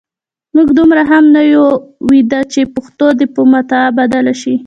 موږ دومره هم نه یو ویده چې پښتو دې په متاع بدله شي.